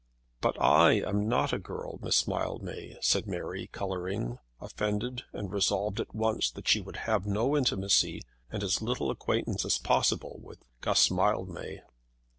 "But I am not a girl, Miss Mildmay," said Mary, colouring, offended and resolved at once that she would have no intimacy and as little acquaintance as possible with Guss Mildmay.